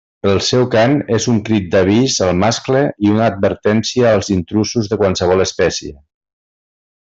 El seu cant és un crit d'avís al mascle i una advertència als intrusos de qualsevol espècie.